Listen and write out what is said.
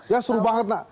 ya seru banget nak